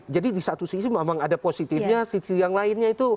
jadi di satu sisi memang ada positifnya sisi yang lainnya itu